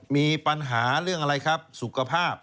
มีปัญหาเรื่องอะไรครับสุขภาพ